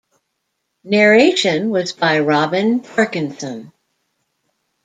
Narration was by Robin Parkinson.